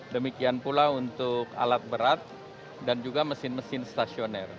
demikian pula untuk alat berat dan juga mesin mesin stasioner